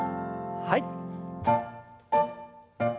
はい。